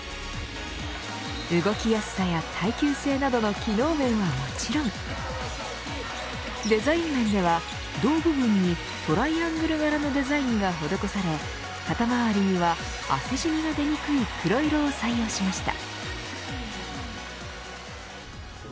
動きやすさや耐久性などの機能面はもちろんデザイン面では、胴部分にトライアングル柄のデザインが施され肩周りには、汗じみが出にくい黒色を採用しました。